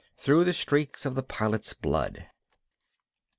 through the streaks of the Pilot's blood.